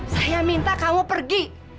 saya minta kamu pergi